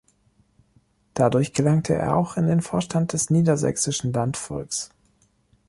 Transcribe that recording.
Dadurch gelangte er auch in den Vorstand des Niedersächsischen Landvolks.